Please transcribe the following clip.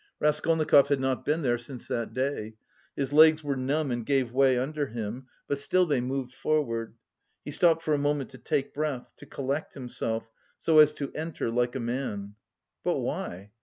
Raskolnikov had not been here since that day. His legs were numb and gave way under him, but still they moved forward. He stopped for a moment to take breath, to collect himself, so as to enter like a man. "But why?